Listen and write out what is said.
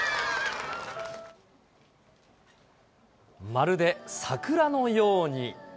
まるで桜のように。